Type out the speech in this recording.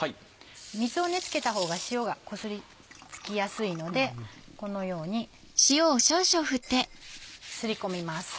水を付けた方が塩がこすり付きやすいのでこのように擦り込みます。